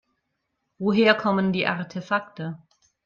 Woher kommen die Artefakte?